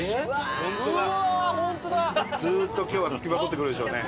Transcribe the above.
ずっと今日は付きまとってくるでしょうね。